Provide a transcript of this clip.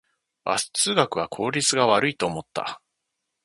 バス通学は効率が悪いと思った